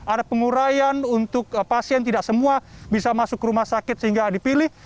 ada pengurayan untuk pasien tidak semua bisa masuk ke rumah sakit sehingga dipilih